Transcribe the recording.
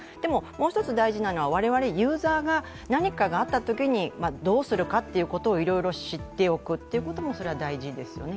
もう１つ、大事なのは、我々ユーザーがこういうときにどうするかということをいろいろ知っておくことも大事ですよね。